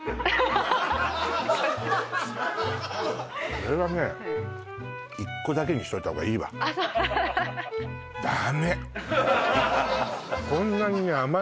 これはね一個だけにしといた方がいいわダメこんなにね